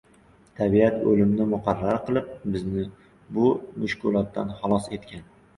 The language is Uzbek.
Tabiat o‘limni muqarrar qilib, bizni bu mushkulotdan xalos etgan.